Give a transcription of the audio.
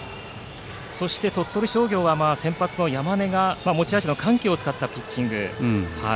そして、鳥取商業は先発の山根が持ち味の緩急を使ったピッチングで。